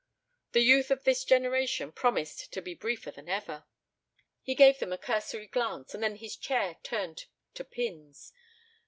The youth of this generation promised to be briefer than ever! He gave them a cursory glance, and then his chair turned to pins.